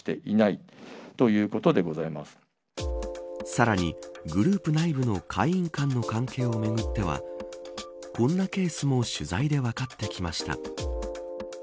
さらにグループ内部の会員間の関係をめぐってはこんなケースも取材で分かってきました。